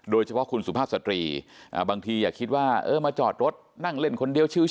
โดยเฉพาะคุณสุภาพสตรีบางทีอย่าคิดว่าเออมาจอดรถนั่งเล่นคนเดียวชิว